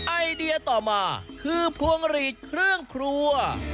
ไอเดียต่อมาคือพวงหลีดเครื่องครัว